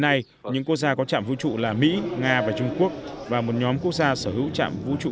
nay những quốc gia có trạm vũ trụ là mỹ nga và trung quốc và một nhóm quốc gia sở hữu chạm vũ trụ